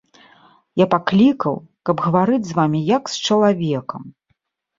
Я паклікаў, каб гаварыць з вамі як з чалавекам.